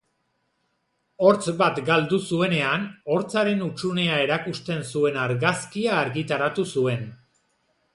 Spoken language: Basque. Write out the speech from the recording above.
Hortz bat galdu zuenean, hortzaren hutsunea erakusten zuen argazkia argitaratu zuen.